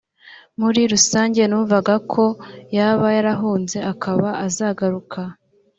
muri rusange numvaga ko yaba yarahunze akaba azagaruka